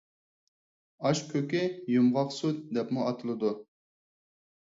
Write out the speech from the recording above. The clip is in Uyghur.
ئاشكۆكى «يۇمغاقسۈت» دەپمۇ ئاتىلىدۇ.